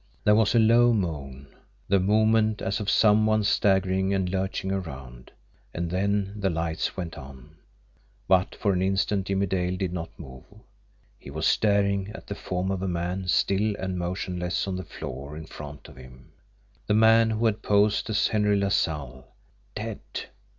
There was a low moan, the movement as of some one staggering and lurching around and then the lights went on. But for an instant Jimmie Dale did not move. He was staring at the form of a man still and motionless on the floor in front of him the man who had posed as Henry LaSalle. Dead!